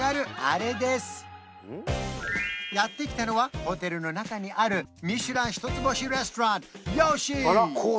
あれですやって来たのはホテルの中にあるミシュラン一つ星レストラン